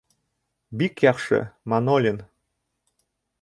— Бик яҡшы, Манолин.